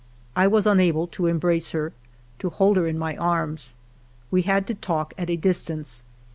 I was unable to embrace her, to hold her in my arms; we had to talk at a dis tance.